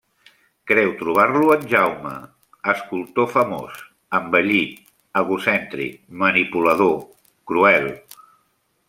Creu trobar-lo en Jaume, escultor famós, envellit, egocèntric, manipulador, cruel.